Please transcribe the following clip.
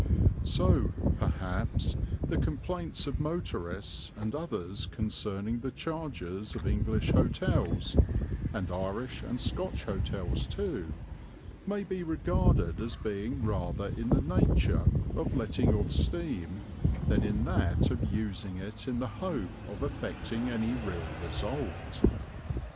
So, perhaps, the complaints of motorists and others concerning the charges of English hotels (and Irish and Scotch hotels too) may be regarded as being rather in the nature of letting off steam than in that of using it in the hope of effecting any real result.